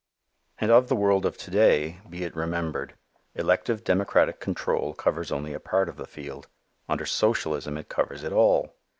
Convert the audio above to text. And of the world of to day, be it remembered, elective democratic control covers only a part of the field. Under socialism it covers it all.